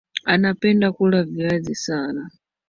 Anapenda kula viazi sana